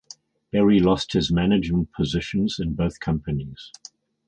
Berry lost his management positions in both companies.